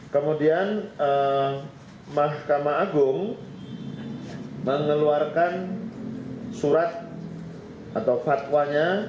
kemudian mahkamah agung mengeluarkan surat atau fatwanya